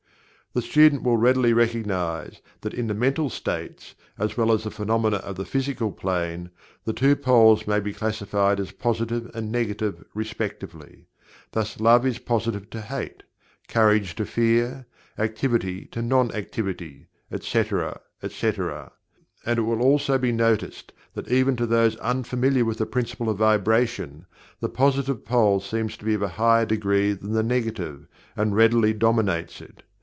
The student will readily recognize that in the mental states, as well as in the phenomena of the Physical Plane, the two poles may be classified as Positive and Negative, respectively. Thus Love is Positive to Hate; Courage to Fear; Activity to Non Activity, etc., etc. And it will also be noticed that even to those unfamiliar with the Principle of Vibration, the Positive pole seems to be of a higher degree than the Negative, and readily dominates it.